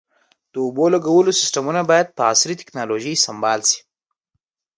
د اوبو لګولو سیستمونه باید په عصري ټکنالوژۍ سنبال شي.